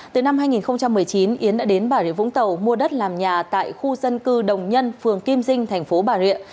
từ năm hai nghìn một mươi chín yến đã đến bà rịa vũng tàu mua đất làm nhà tại khu dân cư đồng nhân phường kim dinh thành phố bà rịa